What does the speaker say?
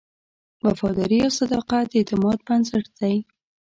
وفاداري او صداقت د اعتماد بنسټ دی.